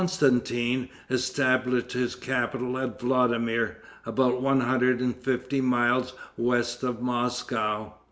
Constantin established his capital at Vladimir, about one hundred and fifty miles west of Moscow.